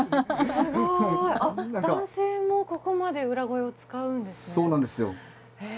すごい男性もここまで裏声を使うんですねそうなんですよへえ